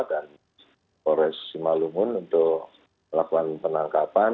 dan polres simalumun untuk pelakuan penangkapan